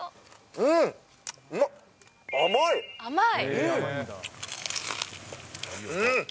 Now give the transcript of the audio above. うん、甘い。